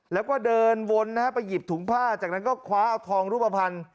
แล้วก็เดินวนนะฮะไปหยิบถุงผ้าจากนั้นก็คว้าเอาทองรูปภัณฑ์